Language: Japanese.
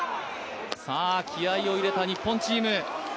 気合いを入れた日本チーム。